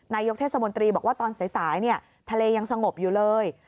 นายกเทศมนตรีบอกว่าตอนสายทะเลยังสงบอยู่เลย